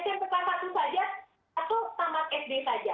smp kelas satu saja atau tamat sd saja